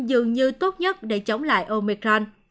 dường như tốt nhất để chống lại omicron